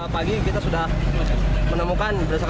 minuman sudah dimasukkan plastik